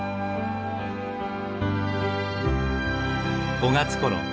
５月ころ